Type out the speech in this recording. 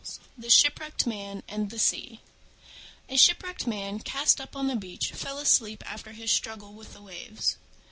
THE SHIPWRECKED MAN AND THE SEA A Shipwrecked Man cast up on the beach fell asleep after his struggle with the waves.